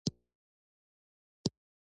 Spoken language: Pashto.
آیا دا په مسو نقاشي نه ده؟